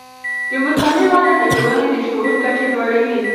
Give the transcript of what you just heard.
د مطالعې وده د ټولنې د شعور کچې لوړوي.